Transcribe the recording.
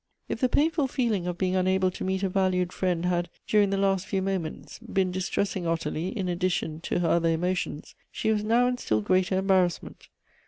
If the painful feeling of being unable to meet a valued friend had, during the last few moments, been distressing Ottilie in addition to her other emotions, she was now in still greater embarrassment.